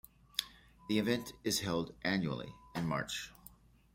The event is held annually in March.